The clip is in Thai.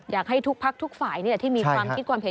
อยากให้ทุกพักทุกฝ่ายที่มีความคิดความเห็น